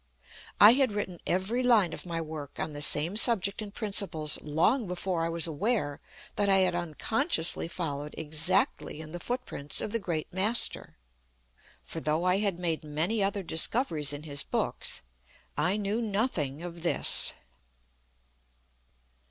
I had written every line of my work on the same subject and principles long before I was aware that I had unconsciously followed exactly in the footprints of the great Master; for though I had made many other discoveries in his books, I knew nothing of this.